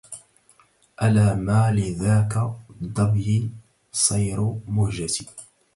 ألا ما لذاك الظبي صير مهجتي